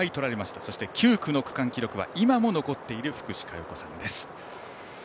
そして９区の区間記録は今も残っている福士加代子さん。